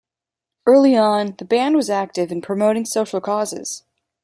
Early on, the band was active in promoting social causes.